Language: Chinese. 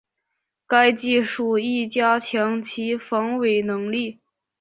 该技术亦加强其防伪能力。